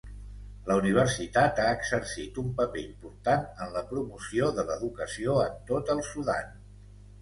La universitat ha exercit un paper important en la promoció de l'educació en tot el Sudan.